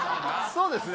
そうですね。